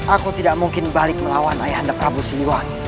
aku tidak mungkin balik melawan ayah anda prabu siwa